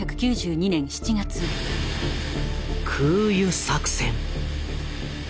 空輸作戦。